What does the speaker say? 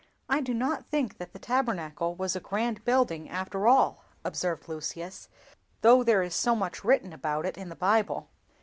"I DO not think that the Tabernacle was a grand building, after all," observed Lucius, "though there is so much written about it in the Bible.